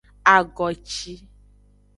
Agoci.